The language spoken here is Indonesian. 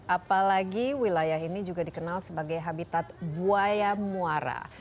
apalagi wilayah ini juga dikenal sebagai habitat buaya muara